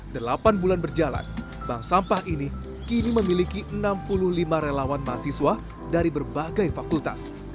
delapan bulan berjalan bank sampah ini kini memiliki enam puluh lima relawan mahasiswa dari berbagai fakultas